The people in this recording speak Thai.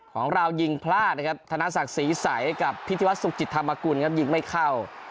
ของเรายิงพลาดนะครับธนศักดิ์ศรีใสกับพิธีวัฒนสุขจิตธรรมกุลครับยิงไม่เข้า